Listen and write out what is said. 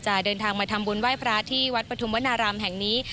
เดินทางมาทำบุญไหว้พระที่วัดปฐุมวนารามแห่งนี้